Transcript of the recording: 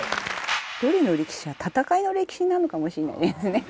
ドリの歴史は戦いの歴史なのかもしれないですね。